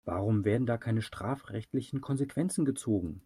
Warum werden da keine strafrechtlichen Konsequenzen gezogen?